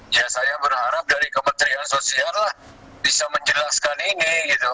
ya saya berharap dari kementerian sosial bisa menjelaskan ini